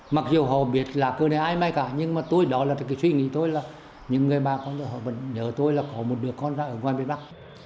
mặc dù họ biết là cờ này ai may cả nhưng mà tôi đó là cái suy nghĩ tôi là những người ba con dùm họ vẫn nhớ tôi là có một đứa con ra ở ngoài miền bắc